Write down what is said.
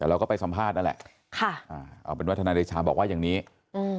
แต่เราก็ไปสัมภาษณ์นั่นแหละค่ะอ่าเอาเป็นว่าทนายเดชาบอกว่าอย่างนี้อืม